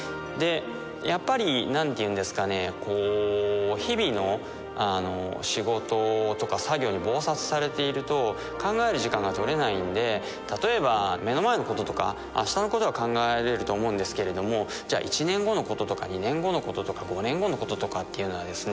やっぱり何ていうんですかね日々の仕事とか作業に忙殺されていると考える時間が取れないんで例えば目の前のこととかあしたのことは考えられると思うんですけれどもじゃあ１年後のこととか２年後のこととか５年後のこととかっていうのはですね